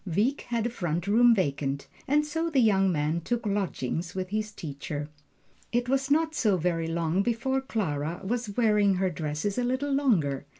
Wieck had a front room vacant, and so the young man took lodgings with his teacher. It was not so very long before Clara was wearing her dresses a little longer.